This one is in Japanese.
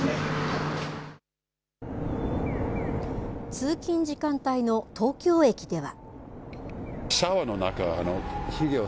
通勤時間帯の東京駅では。